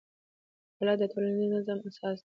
عدالت د ټولنیز نظم اساس دی.